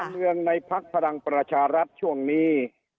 เมืองในพักพลังประชารัฐช่วงนี้